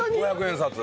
５００円札。